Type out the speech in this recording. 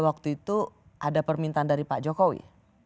waktu itu ada permintaan dari pak jokowi